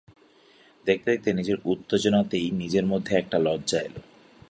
দেখতে দেখতে নিজের উত্তেজনাতেই নিজের মধ্যে একটা লজ্জা এল।